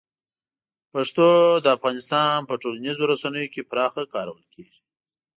پښتو د افغانستان په ټولنیزو رسنیو کې پراخه کارول کېږي.